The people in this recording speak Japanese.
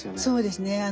そうですね。